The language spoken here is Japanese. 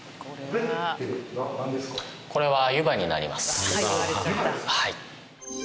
これは湯葉になります。